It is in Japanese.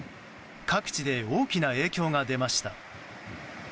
各地で大きな影響が出ました。